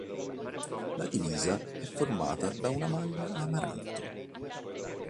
La divisa è formata da una maglia amaranto.